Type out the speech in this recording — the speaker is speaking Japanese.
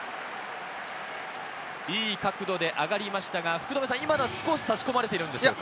いい角度で上がりましたが、今のは少し差し込まれていますか？